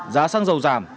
giá xăng dầu giảm